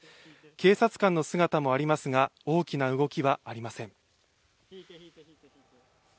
警察官の姿もありますが、大きな動きはありません。